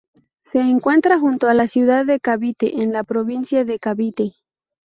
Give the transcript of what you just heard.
Se encuentra junto a la ciudad de Cavite, en la provincia de Cavite.